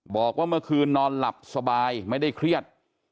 บอกว่าเมื่อคืนนอนหลับสบายไม่ได้เครียด